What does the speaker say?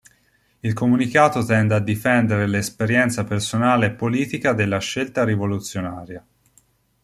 Il comunicato tende a difendere l'esperienza personale e politica della scelta rivoluzionaria.